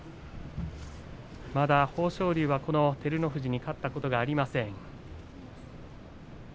まだ豊昇龍はこの照ノ富士に勝ったことがありません。